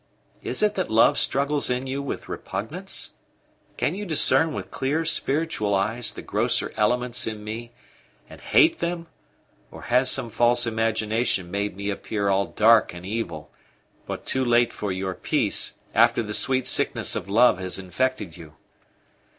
Is it that love struggles in you with repugnance? Can you discern with clear spiritual eyes the grosser elements in me, and hate them; or has some false imagination made me appear all dark and evil, but too late for your peace, after the sweet sickness of love has infected you?"